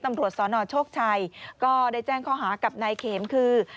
ตำรวจสนโชคชัยก็ได้แจ้งข้อหากับนายเข็มคือ